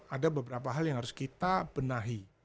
ada beberapa hal yang harus kita benahi